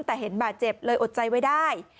แต่เห็นบาดเจ็บเลยอดใจไว้ได้